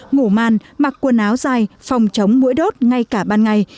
ngủ màn mặc quần áo dài phòng chống mũi đốt ngay cả ban ngày